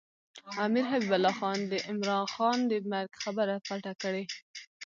امیر حبیب الله خان د عمرا خان د مرګ خبره پټه کړې.